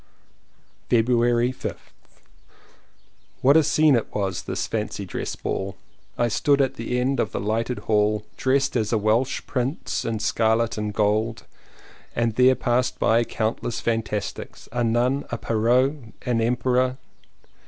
February 5th. What a scene it was, this fancy dress ball! I stood at the end of the lighted hall dressed as a Welsh prince in scarlet and gold, and there passed by countless fan tastics, a nun, a bride, a pierrot, and an emperor.